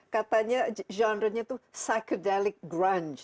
katanya genre nya itu psychedelic grunge